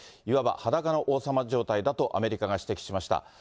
いわば裸の王様状態だとアメリカが指摘しました。